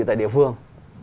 tại địa phương